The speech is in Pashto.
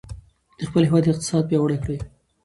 د خپل هېواد اقتصاد پیاوړی کړئ.